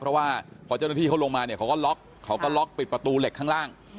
เพราะว่าพอเจ้าหน้าที่เขาลงมาเนี่ยเขาก็ล็อกเขาก็ล็อกปิดประตูเหล็กข้างล่าง